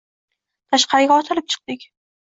Tashqariga otilib chiqdik